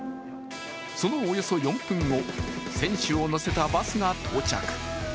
そのおよそ４分後、選手を乗せたバスが到着。